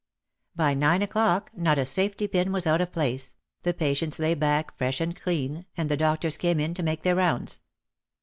By nine o'clock not a safety pin was out of place, the patients lay back fresh and clean, and the doc tors came in to make their rounds.